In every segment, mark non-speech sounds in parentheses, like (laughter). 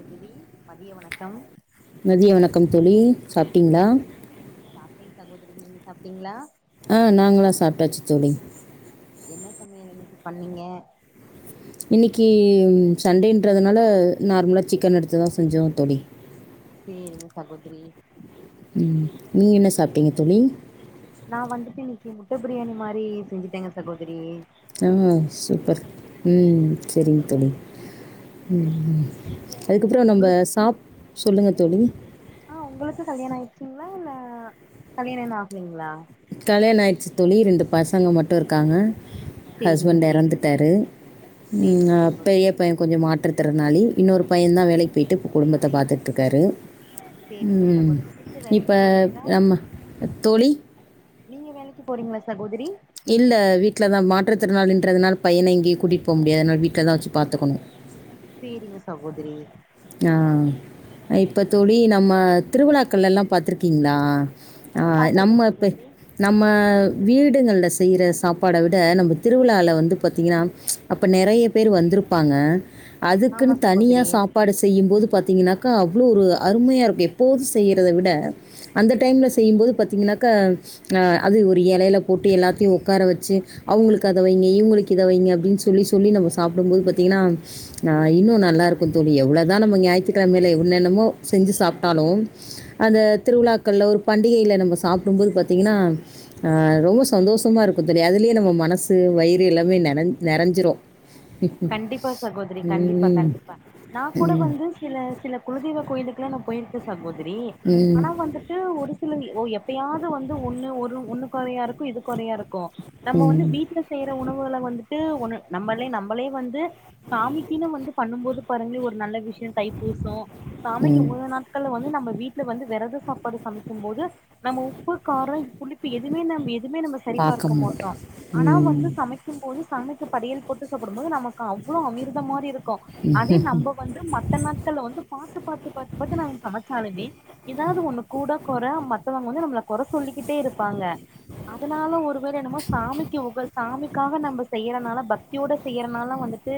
உதிரி மதிய வணக்கம் மதிய வணக்கம் தோழி சாப்ட்டீங்களா சாப்ட்டேங் சகோதரி நீங்க சாப்ட்டீங்களா ஆ நாங்களா சாப்ட்டாச்சு தோழி என்ன சமையல் இன்னைக்கு பண்ணீங்க இன்னைக்கி சண்டேன்றதுனால நார்மலா சிக்கன் எடுத்துதா செஞ்சோ தோழி சேரிங் சகோதரி ம் நீங்க என்ன சாப்ட்டீங்க தோழி நா வந்துட்டு இன்னைக்கி முட்ட பிரியாணி மாரி செஞ்சுட்டேங்க சகோதரி ம்ஹூ சூப்பர் ம் சேரிங்க தோழி ம் அதுக்கப்பற நம்ம உங்களுக்கு சாப் சொல்லுங்க தோழி ஆ உங்களுக்கு கல்யாண ஆயிடுச்சிங்களா இல்ல கல்யாண இன்னு ஆகலீங்களா கல்யாண ஆயிடுச்சு தோழி ரெண்டு பசங்க மட்டு இருக்காங்க சேரிங்க ஹஸ்பண்ட் சேரிங்க இறந்துட்டாரு ம் சேரிங்க அ சகோதரி பெரிய பைய கொஞ்ச மாற்றுத் திறனாளி இன்னொரு பையந்தா வேலைக்கு போயிட்டு இப்ப குடும்பத்த பாத்துட்டு இருக்காரு சேரிங்க உம் சகோதரி நீங்க இப்ப வேலைக்கு போறீங்களா நம்ம தோழி நீங்க வேலைக்கு போறீங்களா சகோதி இல்ல வீட்லதா மாட்ட மற்றத்திருநள் நின்றதுனா பையனை இங்கே கூட்டிகட்டு போக முடியது அதனா வீட்டில தா வச்சு ப்த்துக்கணு சரிங்க சகோதரி ஆ. இப்ப தோழி நம்ம திருவிழாக்கள்ல எல்லா பாத்துிருக்கீங்களா ஆ ஆஹ் பாத்திருக்கே நம்மப்ப சகோதரி நம்ம வீடுகளல செய்யற சாப்பாட விட நம்ம திருவிழாவில வந்து பாார்த்தீங்கன்னா அப்ப நறைய பேர் வந்திருப்பாங்க அதுக்குன்னு ஆமா தனியா சகோதரி சாப்பாடு செய்யும்போது பார்த்தீங்கன்னாக்கா அவ்வளோ ஒரு அருமையாக இருக்கு எப்போது செய்கிறத விட அந்த டைமில் செய்யும்போது பார்த்தீங்கன்னாக்கா அது ஒரு இலையில் போட்டு எல்லா ற்றி உட்கார வச்சு அவங்களுக்கு அதை வைங்க இவங்களுக்கு இதை வைங்க அப்படின்னு சொல்லி சொல்லி நம்ம சாப்பிடும்போது பார்த்தீங்கன்னா இன்னு நல்லா இருக்கும்ன்னனு தோழி எவ்வளோ தா நம்ம ஞாயிற்றுக்கிழமல எவ்னன்னமோ செஞ்சு சாப்பிட்டாலும் அந்த திருவிழாக்கள் ஒரு பண்டிகையில் நம்ம சாப்பிடும் போது பார்த்தீங்கன்னா ரொம்ப சந்தோஷம் மா இருக்கு தெரியா அதுேயே நம்ம மனசு வயிறு எல்லாமே நறஞ்சிரு நறஞ்சிரு கண்டிப்பா சகோதரி கண்டிப்பா கண்டிப்பா நான் கூட ம் வந்து சில சில குலதெய்வ கோயிலுக்குெல்லா நா போயிருக்க சகோதரி ம் ஆனா வந்துட்டு ஒரு எப்பாவது வந்து ஒண்ணு ஒரு ஒண்ணு குறையா இருக்கு இது குறையா இருக்கு நம்ம வந்து ம் வீட்டுல செய்யற உணவுகளை வந்து நம்மள நம்ம அவளே வந்து சாமிக்குன்னு வந்து பண்ணும் போது பாருங்களே ஒரு நல்ல விஷயம் தைப்பூசம் சாமிக்கு ம் ஒவ்வ நாட்க்கள்ல வந்து நம்ம இல்ல வந்து வெரத சாப்பாடு சமைக்கு போது நம்ம உப்பு, கார, புளிப்பு எது எதுமே நம்ப எது எதுமே நம்ம பார்க்க சரிபார்க்க மாட்டோ. மாட்டோம் ஆனா ம் வந்து சமைக்கும் போது சமைக்க படையல் போட்டு அதுவும் நமக்கு அவ்ளோ அமிர்த மாதிரி இருக்கு. அதே நம்ம வந்து மத்த நாட்கள்ல வந்து பாத்து, பாத்து, பாத்து, பாத்து நாம சமச்சாலுமே ஏதாவது ஒண்ணு கூட கோற மத்தவங்க வந்து நம்மள கொற சொல்லிக்கிட்டே இருப்பாங்க. அதனால ஒருவேளை என்னமோ சாமிக்கு உக சாமிக்காக நம்ப செய்யறனால பக்தி தியோட செய்யறனாலா வந்துட் ட்டு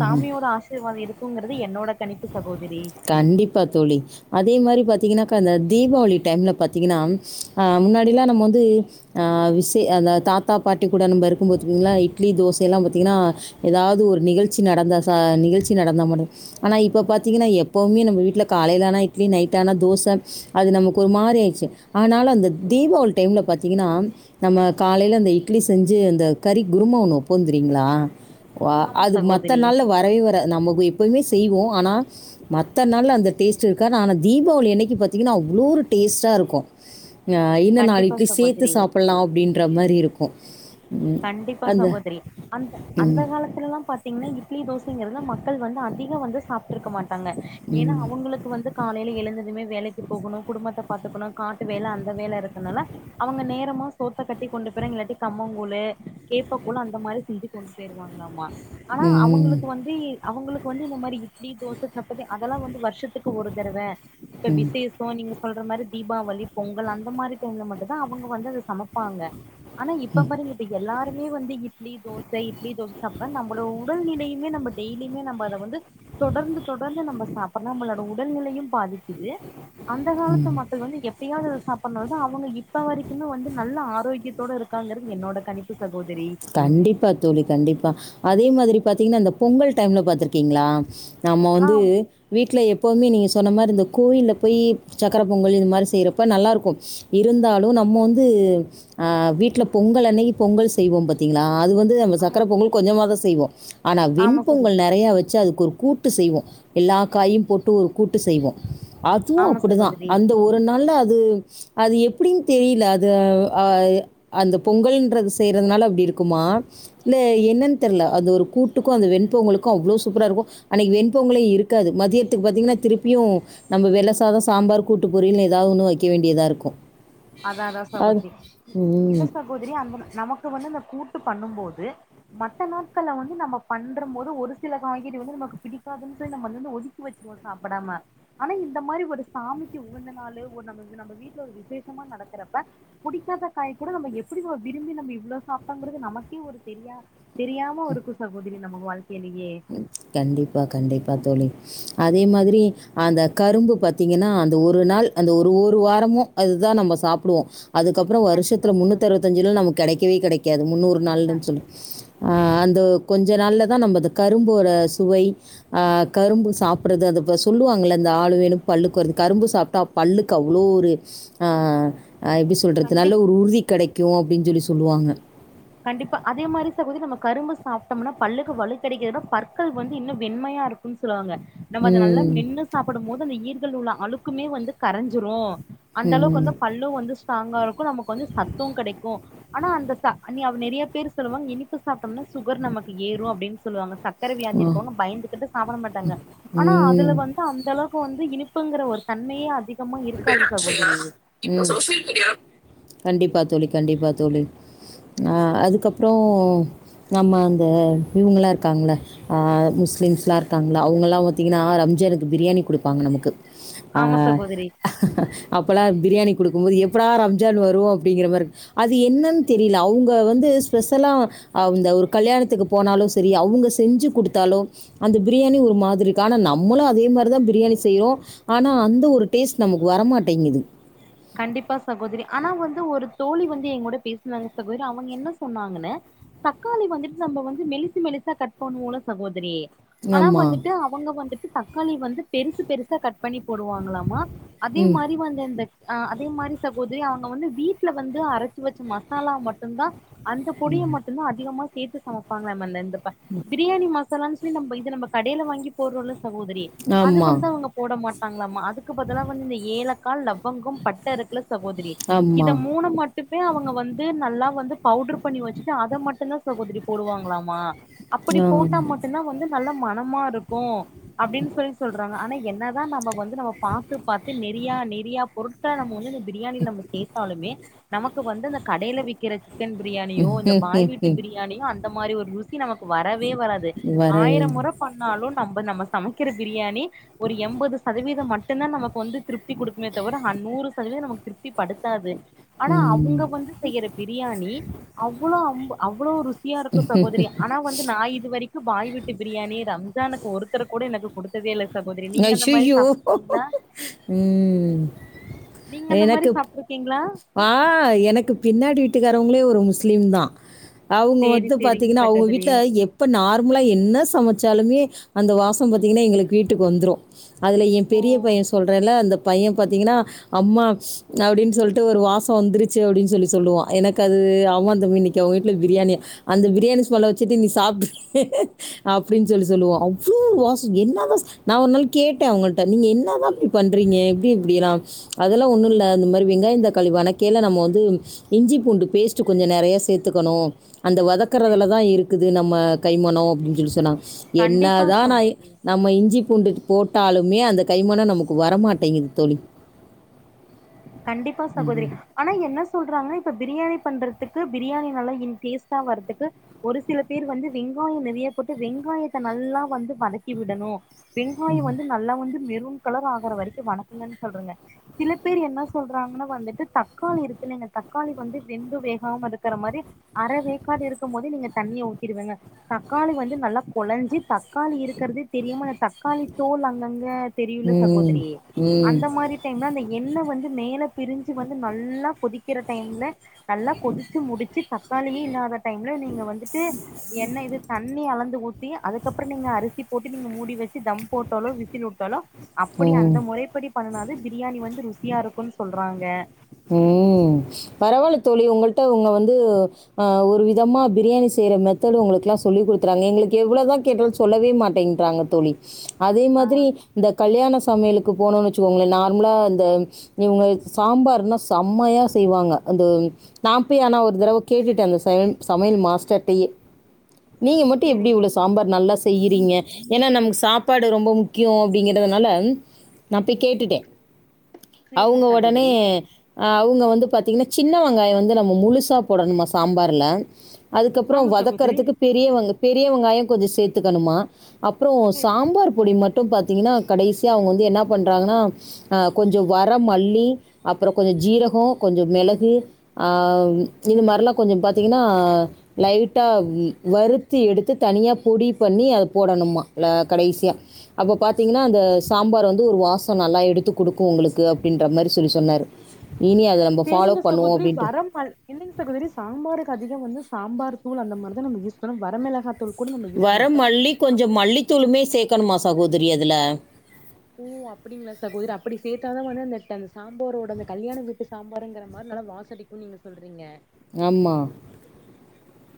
சாமியோட ஆசீர்வாதோ இருக்குங்கறது என்னோட கணிப்பு சகோதரி. தீங்ன்னாக்க அந்த தீபாவளி டைம்ல பாத்தீங்ன்னா அஹ முன்னாடியெல்லாம் நம்ம வந்து அஹ விஷே தாத்தா, பாட்டி கூட நம்ப இரும் பாத்தீங்ளா இட்லி, தோசயெல்லா பாத்தீங்ன்னா ஏதாவது ஒரு நிகழ்ச் ச்சி நடந்தா ச நிகழ்ச்சி நடந்தா முடியும். ஆனா இப்ப பாத்தீங்ன்னா எப்பவுமே நம்ம வீட்டுல காலையிலானா இட்லி, நைட்டானா தோசை. அது நமக்கு ஒரு மாரி ஆயிருச்சு. ஆனாலும் அந்த தீபாவளி டைம்ல பாத்தீங்ன்னா நம்ம காலையில அந்த இட்லி செஞ்சி அந்த கறி குருமா ஒண்ணு வப்போந் தெரியுங்களா? வா ஆமா அது மத் சகோதரி இத்தந்நாள்ல வரவே வராது. நமக்கு இப் எப்போவுமே செய்வோ ஆனா மத்த நாள்ல அந்த டேஸ்ட் இருக்கா. ஆனா தீபாவளி அன்னைக்கு பாத்தீங்ன்னா அவ்ளோ ஒரு டேஸ்ட்டா இருக்கு ங இன்னு நாலு கண்டிப்பா இட்லி சேத்து சகோதரி சாப்ட்லா அப்டின்ற மாரி இருக்கு. கண்டிப்பா சகோதரி. அந்த, அந்த ம் காலத்துலல்லா பாத்தீங்ன்ன இப் இட்லி, தோசைங்கறத மக்கள் வந்து அதிகம் வந்து சாப்ட்ருக்க மாட்டாங்க. க்காங்க, ஏன்னா ம் அவங்களுக்கு வந்து காலையில எழுந்ததுமே வேலைக்கு போகணும், குடும்பத்தை பாத்துக்கணும். காட்டு வேல, அந்த வேல இருக்குன்னால அவங்க நேரமா சோத்த கட்டி கொண்டு போறேங்க இல்லாட்டி கம்மங் கூளு, கேப்ப கூளு அந்த மாரி செஞ்சி கொண்டு போயிருவாங்க ஆமா. ஆனா ம் அவங்களுக்கு வந்து இஇ அவங்களுக்கு வந்து இந்த மாரி இட்லி, தோசை, சப்பாத்தி அதெல்லா வந்து வருஷத்துக்கு ஒரு தெறவ. இப்ப ம் விசேஷம் நீங்க சொல்ற மாரி தீபாவளி, பொங்கல் அந்த மாரி டைம்ல மட்டும் அதா அவங்க வந்து அத சமைப்பாங்க. ஆனா இப்ப இப்ப பாருங்க இப்ப எல்லாருமே வந்து இட்லி தோசை, இட்லி தோசை சாப்ட்றாங்க. நம்மளோட உடல்நிலையுமே நம்ம டெய்லியுமே நம்ம அத வந்து தொடர்ந்து தொடர்ந்து நம்ம சாப்ட்றோமுல்ல. இப்ப உடல் நிலையும் பாதிக்குது அந்த காலத்து மக்கள் வந்து எப்பயாது இத சாப்ட்டனால தா அவங்க இப்ப வரைக்குமே வந்து நல்ல ஆரோக்கியத் த்தொடரு இருக்காங்றது என்னோட கணிப்பு சகோதரி. கண்டிப்பா தோழி கண்டிப்பா. அதே மாதிரி பாத்தீங்ன்னா இந்த பொங்கல் டைம்ல பாத்திருக்கீங்ளா? நம்ம ஆ வந்து வீட்ல எப் எப்போமே நீங்கள் சொன்ன மாரி இந்த கோயில்ல போய் சக்கரை பொங்கல் இது மாரி செய்றப்ப நல்லா இருக்கும். இருந்தாலும் நம்ம வந்து அஹ் வீட்ல பொங்கல் அன்னக்கி பொங்கல் செய்வோம் பாத்தி தீங்ளா? அது வந்து நம்ம ஆமா சக்கரை சகோ- பொங்கல் கொஞ்சமத செய்வோ ஆனா ஆமா சகோ வெண்பொங்கல் நெறையா வச்ச (unintelligible) ஒரு கூட்டு செய்வோ எல்லா காயும் போட்டு ஒரு கூட்டு செய்வோ அதுவு ஆமா அப்புடித சகோதரி அந்த ஒரு நாள்ல அது அது எப்புடின் தெரில அது அ அ அந்த பொங்கல்ன்றது செய்யறதுனால அப்படி இரு க்குமா இல்ல என்னன் தெரல அந்த ஒரு கூட்டுக்கு அந்த வெண்பொங்கலுக்கு அவ்ளோ சூப்பரா இருக்கு அன்னைக்கு வெண்பொங்கலெ இருக்காது மத்தியத்துக்கு பாத்தீங்கன்ன திருப்பியு நம்ப வெள்ள சாதொ சாம்பாரு கூட்டு பொரியல்னு ஏதாவது ஒண்ணு வைக்க வேண்டியதா இருக்கு அதா அதா சகோதிரி இந்த ம். சகோதிரி அந்த நமக்கு வந்து இந்த கூட்டு பண்ணும் போது மத்த நாட்கள்ள வந்து நம்ம பண்ற போது ஒரு சில காய்கறி வந்து நமக்கு பிடிக்காதுன்ட்டு நம்மந்து ஒதுக்கி வச்சுருவோ சாப்படாம ஆனா இந்த மாதிரி ஒரு சாமிக்கு உகந்த நாலு ஒரு நம்ப நம்ப வீட்டுல ஒரு விசேஷ (unintelligible) நடக்கறப்ப புடிக்கத காய் கூட நம்ப எப்புடி விரும்பி நம்ம இவ்வளோ சாப்ட்டோங்கறது நமக்கே ஒரு தெரியா தெரியாம ஒருக்கு சகோதிரி நம்ம வாழ்க் கண்டிப்பா கண்டிப்பா தோழி அதே மாதிரி அந்த கரும்பு பாத்தீங்கன்னா அந்த ஒரு நாள் அந்த ஒரு ஒரு வாரமு அதுத நம்ப சாப்புடுவோ அதுக்கப்பொறோ கண்டிப்பா வருஷத்துள முன்னூத் சகோதரி அறுவத்தஞ்சுலா நமக்கு கெடைக்கவே கெடைக்காது முன்னூறு நாள்ன்னு சொல்ல ஆஹ் அந்த கொஞ்ச நாள்ல தான் நம்மது கரும்போட சுவை ஹ கரும்பு சாப்புடடுறது சொல்லுவாங்கள இந்த ஆளு வேணு பல்லுக்கு வருது கரும்பு சாப்பிட்டா பல்லுக்கு அவ்ளோ ஒரு ஹ ஹ எப்படி சொல்றது நல்ல கண்டிப்பா ஒரு உறுதி கிடைக் (unintelligible) அப்டின்னு சொல்லி சொல்லுவாங்க கண்டிப்பா அதே மாரி சகோதி நம்ம கரும்பு சாப்டம்னா பல்லுக்கு வலு கெடைக்குட பற்கள் வந்து இன்னு வெண்மையா இருக்குன் சொல்லுவாங்க நம்ம அத நல்லா ம். மென்னு சாப்புடும் போது அந்த ஈர்களுலா அழுக்குமே வந்து கரஞ்சிரு அந்த அளவுக்கு ம். வந்து பல்லு வந்து ஸ்ட்ராங்கா இருக்கு நமக்கு வந்து சத்து கெடைக்கு ஆனா அந்த ச அப் நெறைய பேரு சொல்லுவாங் இனிப்பு சாப்டம்னா சுகர் நமக்கு ஏறூ அப்டின் சொல்லுவாங்க சக் க்கர வியாதி அ. இருக்கவங்க பயந்துகிட்டு சாப்புட மாட்டாங்க ஆனா அதுல ம். வந்து அந்தளவுக்கு வந்து இனிப் ப்புங்கிற ஒரு தன்மையே அதி எ பேரு அக்ஷயா ம் இப்ப சோஷியல் மீடியா கண்டிப்பா தோழி கண்டிப்பா தோழி ஆ அதுக்கப்றோ ஆமா அந்த இவங்களா இருக்காங்ல அ முஸ்லீம்ஸ்லா இருக்காங்கல அவங்கலா ஒத்திங்கனா ரம்ஜானுக்கு பிரியாணி குடுப்பாங்க நமக்கு ஆமா சகோதரி அப்பொலா பிரியாணி குடுக்குபோது எப்படா ரம்ஜான் வரு அப்டிங்கிற மாரி அது என்னன் தெரில அவுங்க வந்து ஸ்பெஷலா அ உந்த ஒரு கல்யாணத்துக்கு போனாலு சரி அவங்க செஞ்சு குடுத்தாலு அந்த பிரியாணி ஒரு மாதிருக்கு ஆனா நம்மளு அதே மாரிதா பிரியாணி செய்றோ ஆனா அந்த ஒரு டேஸ்ட் நமக்கு வரமாட்டேங்குது கண்டிப்பா சகோதரி ஆனா வந்து ஒரு தோழி வந்து எங்கோட பேசுனாங்க சகோதரி அவங்க என்ன சொன்னாங்கனு தக்காளி வந்துட்டு நம்ம வந்து மெலிசு மெலிசா கட் பண்ணுவோல சகோதரி ஆனா ஆமா. வந்துட்டு அவங்க வந்துட்டு தக்காளி வந்து பெருசு பெருசா கட் பண்ணி போடுவாங்களாமா அதே ம். மாரி வந்து இந்த ஆ அதே மாரி சகோது அவங்க வந்து வீட் ல வந்து அரச்சு வச்ச மசாலா மட்டுந்தா அந்த பொடிய மட்டுந்தா அதிகமா சேத்து சமப்பாங்களாமா நெண்டு பிரியாணி மசாலான் சொல்லி நம்ம இத நம்ம கடைல வாங்கி கி போடுறோன்ல சகோதரி அது ஆமா வந்து அவங்க போட மாட்டாங்களாமா அதுக்கு பதிலா வந்து இந்த ஏலக்கா லவ் அங்கம் பட்ட இருக் ல்ல சகோதரி ஆமா இத மூண மட்டுமே அவுங்க வந்து நல்லா வந்து பவ்டர் பண்ணி வச்சுட்டு அத மட்டுந்தா சகோதரி போடுவாங்களாமா அப்படி ஆ போட்டா மட்டுந்தா வந்து நல்ல மனமா இருக்கு அப்டின் சொல்லி சொல்றாங்க ஆனா என்னதா நம்ம வந்து நம்ம பாத்து பாத்து நெறியா நெறியா ருட்டா நம்ம வந்து அந்த பிரியாணில நம்ம சேத்தாலுமே நமக்கு வந்து அந்த கடைல விக்கிற சிக்கன் பிரியாணியோ இந்த பாய் வீட்டு பிரியாணியோ அந்த மாரி ஒரு ருசி நமக்கு வ ரவே வராது வரவே ஆயிரம் இல்ல முற பண்ணாலு நம்ப நம்ம சமைக்கிற பிரியாணி ஒரு எம்பது சதவீதோ மட்டுந்தா நமக்கு வந்து திருப்தி குடுக்குமே நூறு சதவீதம் நமக்கு திருப்தி படுத்தாது ஆனா ம் அவங்க வந்து செய்யற பிரியாணி அவ்வளோ அம் அவ்வளோ ருசியா இருக்கும் சகோதரி ஆனா வந்து நான் இது வரைக்கும் பாய் வீட்டு பிரியாணி ரம்ஜானுக்கு ஒருத்தரை கூட எனக்கு கொடுத்ததே இல்ல சகோதரி நீங்க அஷ அந்த மாரி யோ சாப்ட்ருக்கீங்களா உம் நீங்க அந்த மாதிரி சாப்ட்டிருக்கீங்களா வா எனக்கு பின் பின்னாடி வீட்டுக்காரவங்களே ஒரு முஸ்லீம் தான் அவங்க சேரி வந்து சேரிங்க பார்த்தீங்கன்னா அவங்க சகோதரி வீட்டுல எப்ப நார்மலா என்ன சமைச்சாலுமே அந்த வாசம் பாத்தீங்கன்னா எங்களுக்கு வீட்டுக்கு வந்துரும் அதுல என் ஓ பெரிய பையன் சொல்றல்ல அந்த பையன் பாத்தீங்கன்னா அம்மா அப்படின்னு சொல்லிட்டு ஒரு வாசம் வந்திருச்சு அப்டி சொல்லி சொல்லுவா எனக்கு அது ஆமா இன்னைக்கு அவ வீட்ல பிரியாணியா அந்த பிரியாணி ஸ்மெல்ல வச்சுட்டு நீ சாப்ட்று அப்டினு சொல்லி சொல்லுவோம் அவ்ளோ மோஷ் என்னதா நா ஒருநாள் கேட்ட அவங்ககிட்ட நீ என்னதா அப்டி பன்றீங்க எப்டி இப்டி எல்லா அதெல்லா ஒன்னு இல்ல இந்த மாரி வெங்காய தக்கா வணக்கீல கீழே நம்ம வந்து இஞ்சி பூண்டு பேஸ்ட்டு கொஞ்சம் நிறைய சேர்த்துக்கணும் அந்த சே வதக்கறதுல தான் இருக்குது நம்ம கைமணோ அப்டி சொல்லி சொன்னங்க என்ன கண்டிப்பா தான் நான் சகோதரி நம்ம இஞ்சி பூண்டு போட்டாலுமே அந்த கைமணம் நமக்கு வரமாட்டேங்குது தொளி கண்டிப் சகோதரி ஆனா என்ன சொல்றாங்கன்னா இப்ப பிரியாணி பண்றதுக்கு பிரியாணி நல்லா டேஸ்ட்டா வர்றதுக்கு ஒரு சில பேர் வந்து வெங்காயம் நெறைய போட்டு வெங்காயத்தை நல்லா வந்து வதக்கி விடணும் வெங்காயம் வந்து நல்லா வந்து மெரூன் கலர் ஆகுற வரைக்கும் வணக்கங்க சொல்றங்க பிலப் சொல்றாங்கன்னா வந்துட்டு தக்காளி இருக்குங்க தக்காளி வந்து வெந்து வேகாமல் இருக்கிற மாதிரி அரை வேக்காடு இருக்கும் போதே நீங்க தண்ணிய ஊத்திடுவங்க தக்காளி வந்து நல்லா கொழஞ்சி தக்காளி இருக்கறதே தெரியமா தக்காளி தோல் அங்கங்க தெரியல ம் சகோதரி ம் அந்த மாதிரி டைம்ல எண்ணெ வந்து மேலே பிரிஞ்சு வந்து நல்லா கொதிக்கிற டைம்ல நல்லா கொதிச்சு முடிச்சு தக்காளியே இல்லாத டைம்ல நீங்க வந்துட்டு என்ன இது தண்ணி அளந்து ஊத்தி அதுக்கப்புறம் நீங்க அரிசி போட்டு நீங்க மூடி வச்சு தம் போட்டோலோ விசில் உட்டாலும் அப்படி ம் அந்த முறைப்படி பண்ணனாது பிரியாணி வந் இருக்கும்ன்னு சொல்றாங்க உஹ்ம் பரவால்ல தோழி உங்கள்ட்ட உங்க வந்து அஹ் ஒரு விதமா பிரியாணி செய்யற மெத்தடு உங்களுக்கு எல்லா சொல்லி் கொடுக்குறாங்க எங்களுக்கு எவ்வளவுதான் கேட்டாலும் சொல்லவே மாட்டேன்றாங்க தோழி அதே ஆ மாதிரி இந்த கல்யாண சமையலுக் போனும்னு வச்சுக்கோங்களேன் நார்மலா அந்த இவங்க சாம்பார்னா செம்மையா செய்வாங்க அது நான் போய் ஆனா ஒரு தடவ கேட்டுட்டேன் அந்த சமையல் மாஸ்டரிட்டையே நீங்க மட்டு சேரி எப்டி இவ்ளோ சாம்பார் நல்லா செய்யிறீங்க ஏன்னா நமுக்கு சாப்பாடு ரொம்போ முக்கியோ அப்படிங்கறதுனால நா போய் கேட்டுட்டே சேரிங்க அவுங்க ஒடனே சகோதரி அவுங்க வந்து பாத்தீங்கனா சின்ன வங்காய வந்து நம்ம முழுசா போடணுமா சாம்பார்ல அதுக்கப்புறோ ஆமா சகோதரி வதக்கறதுக்கு பெரியவங்க பெ பெரிய வங்காயோ கொஞ்சோ சேத்துக்கணுமா அப்புறோ சேரி சாம்பார் பொடி மட்டு பத் பாத்தீங்கனா கடைசியா அவுங்க வந்து என்ன பண்றாங்னா ஆ கொஞ்சோ வர மல்லி அப்புறோ கொஞ்சோ ஜீரகோ கொஞ்சோ மெளகு ஆ இது மாரிலா கொஞ்சோ பாத்தீங்கன்னா லைட்டா வறுத்தி எடுத்து தனியா பொடி பண்ணி அத போடணுமா இல்ல கடைசியா அப்போ பாத்தீங்கன்னா அந்த சாம்பார் வந்து ஒரு வாசோ நல்லா எடுத்து குடுக்கும் உங்களுக்கு அப்படின்ற மாரி சொல்லி சொன்னாரு சேரிங்க சகோதரி அப்படின்ட்டு வரமல் இல்லிங்க சகோதரி சாம்பாருக்கு அதிக வந்து சாம்பார் தூள் அந்த மார்தா நம்ம யூஸ் பண்ணு வரமிளகாதூ வர மல்லி கொஞ்சோ மல்லித்தூளுமே சேக்கணுமா சகோதரி அதில ஓ அப்படிங்களா சகோதரி அப்படி சேர்த்தாதான் வந்து ட்ட அந்த சாம்பாரோட அந்த கல்யாண வீட்டு சாம்பாருங்கிற மாரி நல்லா வாசடிக்கும்ன்னனு நீங்க சொல்றீங்க ஆம்மா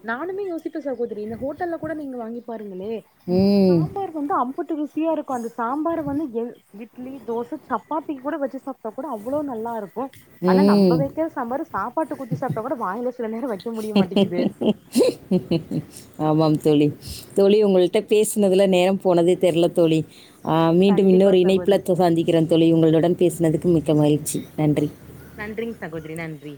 நானுேமே யோசிப்ப சகோதரி இந்த ஹோட்டல்ல கூட நீங்க வாங்கிப்பாருங் ம் அம்ட்டு ருசியா இருக்கும் அந்த சாம்பார வந்து என் இட்லி தோசை சப்பாத்திக்கு கூட வச்சு சாப்ட்டா கூட அவ்ளோ நல்லா இருக்கு வோ ஆனா நம் ம் வெக்கர சாம்பாரு சாப்பாட்டுக்கு ஊத்தி சாப்ட்டா கூட வாயில சிலநேரோ வைக் முடிய மாட்டேக்கிது ஆமாம் தோழி தோழி உங்களிட்ட பேசனதுல நேரம் போனதே தெர்ல தோழி ஆம் மீண்டும் கண்டிப்பா இன்னொரு சகோதரி இணைப்பில் த சாந்தக்கிற தோழி உங்களுடன் பேசுனதுக்கு மிக் மிக்க மகிழ்ச்சி நன்றி நன்றிங்க சகோதரி நன்றி